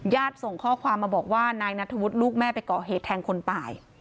ส่งข้อความมาบอกว่านายนัทธวุฒิลูกแม่ไปก่อเหตุแทงคนตาย